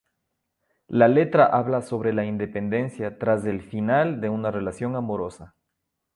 La letra habla sobre la independencia tras el final de una relación amorosa.